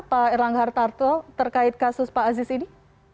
pak erlangga hartarto terkait kasus pak aziz ini